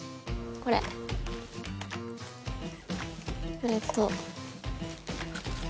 これと。